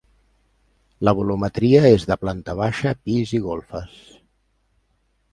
La volumetria és de planta baixa, pis i golfes.